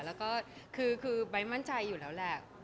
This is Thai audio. แล้วก็คือไบท์มั่นใจอยู่แล้วแหละ